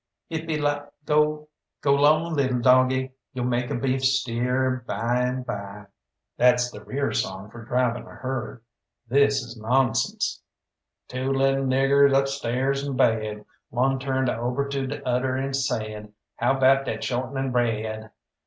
"Ip e la go, go 'long little doggie, You'll make a beef steer, by and by." That's the rear song for driving a herd. This is nonsense: "Two little niggers upstairs in bed One turned ober to de oder and said: 'How 'bout dat short'nin' bread?